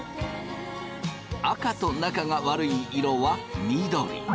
赤と仲が悪い色は緑。